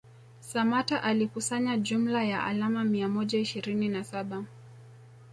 Samatta alikusanya jumla ya alama mia moja ishirini na saba